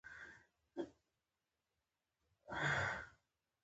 شېخ بُستان په قوم بړیڅ وو.